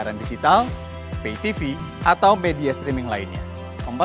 dan bagaimana nilai nilai itu diperkenalkan kepada masyarakat